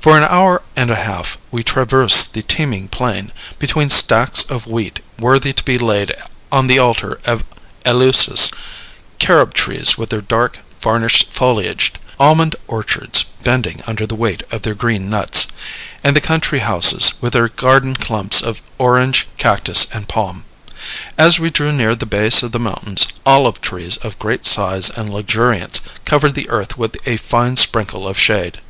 For an hour and a half we traversed the teeming plain, between stacks of wheat worthy to be laid on the altar at Eleusis, carob trees with their dark, varnished foliage, almond orchards bending under the weight of their green nuts, and the country houses with their garden clumps of orange, cactus, and palm. As we drew near the base of the mountains, olive trees of great size and luxuriance covered the earth with a fine sprinkle of shade.